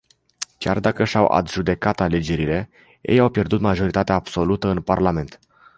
Chiar dacă și-au adjudecat alegerile, ei au pierdut majoritatea absolută în Parlament.